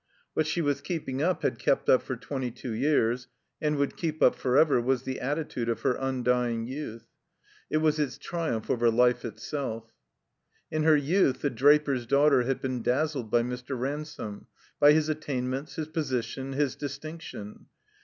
What she was keeping up had kept up for twenty two years, and would keep up forever, was the attitude of her un dying youth. It was its triiunph over life itself. In her youth the draper's daughter had been dazzled by Mr. Ransome, by his attainments, his position, his distinction.